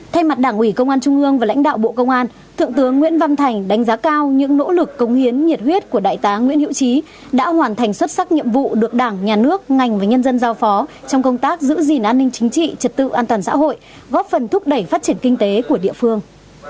thay mặt đảng ủy công an trung ương và lãnh đạo bộ công an thượng tướng nguyễn văn thành đánh giá cao những nỗ lực công hiến nhiệt huyết của đại tá nguyễn hiễu trí đã hoàn thành xuất sắc nhiệm vụ được đảng nhà nước ngành và nhân dân giao phó trong công tác giữ gìn an ninh chính trị trật tự an toàn xã hội góp phần thúc đẩy phát triển kinh tế của địa phương